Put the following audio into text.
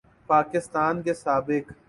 پاکستان کے سابق